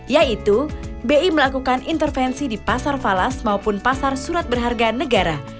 yaitu bi melakukan intervensi di pasar falas maupun pasar surat berharga negara